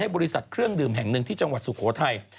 บริษัทเครื่องดื่มแห่งหนึ่งที่จังหวัดสุโขทัย